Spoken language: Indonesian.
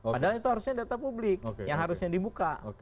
padahal itu harusnya data publik yang harusnya dibuka